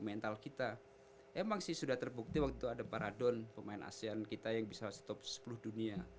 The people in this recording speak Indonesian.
mental kita emang sih sudah terbukti waktu itu ada paradon pemain asean kita yang bisa stop sepuluh dunia